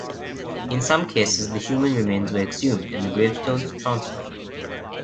In some cases the human remains were exhumed and the gravestones transferred.